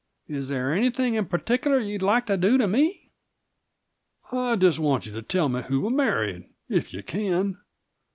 Is there anything in particular you'd like to do to me?" "I just want you to tell me who I married if you can."